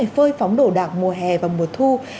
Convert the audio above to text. phơi phóng đồ đạc mùa hè và mùa thu